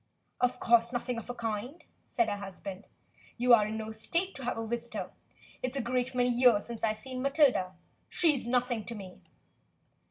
"Of course nothing of the kind," said her husband. "You are in no state to have a visitor. It's a great many years since I've seen Matilda. She's nothing to me."